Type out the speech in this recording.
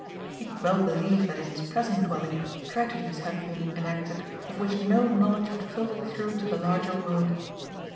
He could well believe that in his present dwelling tragedies has been enacted of which no knowledge had filtered through to the larger world.